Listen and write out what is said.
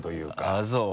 あっそう？